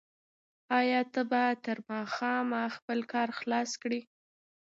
آیا ته به تر ماښامه خپل کار خلاص کړې؟